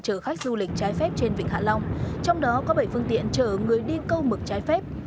chở khách du lịch trái phép trên vịnh hạ long trong đó có bảy phương tiện chở người đi câu mực trái phép